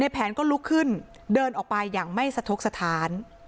แผนก็ลุกขึ้นเดินออกไปอย่างไม่สะทกสถาน